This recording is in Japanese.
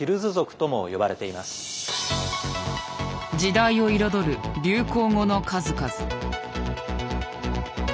時代を彩る流行語の数々。